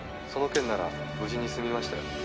「その件なら無事に済みましたよ」